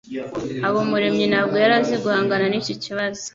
Habumuremwi ntabwo yari azi guhangana niki kibazo